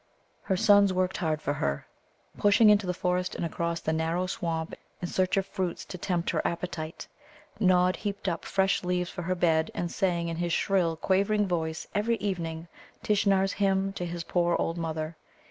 Her sons worked hard for her, pushing into the forest and across the narrow swamp in search of fruits to tempt her appetite. Nod heaped up fresh leaves for her bed, and sang in his shrill, quavering voice every evening Tishnar's hymn to his poor old mother.